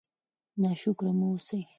ناشکره مه اوسئ.